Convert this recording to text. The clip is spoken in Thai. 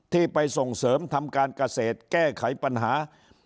ที่ไปส่งเสริมทำการเกษตรแก้ไขปัญหา